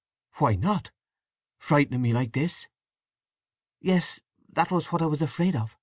"Why not?—frightening me like this!" "Yes—that was what I was afraid of!